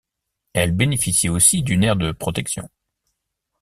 Elle bénéficie aussi d'une aire de protection.